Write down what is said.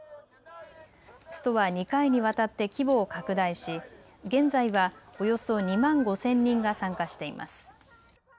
ストは２回にわたって規模を拡大し現在はおよそ２万５０００人が参加しています。